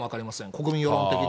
国民世論的に。